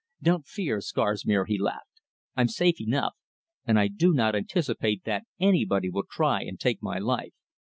"Don't fear, Scarsmere," he laughed. "I'm safe enough, and I do not anticipate that anybody will try and take my life.